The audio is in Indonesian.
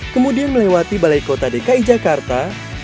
kemudian melewati balai kota dki jakarta